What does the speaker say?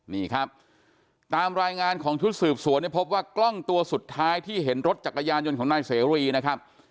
นี่ครับตามรายงานของชุดสืบสวนเนี่ยพบว่ากล้องตัวสุดท้ายที่เห็นรถจักรยานยนต์ของนายเสรีนะครับ